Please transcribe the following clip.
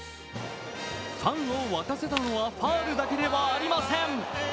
ファンを沸かせたのはファウルだけではありません。